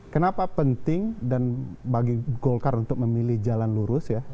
kenapa penting dan bagi golkar untuk memilih jalan lurus ya